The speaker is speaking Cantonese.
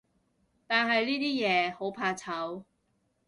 但係呢啲嘢，好怕醜